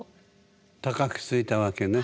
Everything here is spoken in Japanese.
高くついたわけね。